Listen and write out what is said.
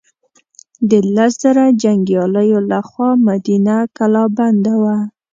د لس زره جنګیالیو له خوا مدینه کلا بنده وه.